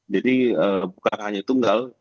jadi bukan hanya tunggal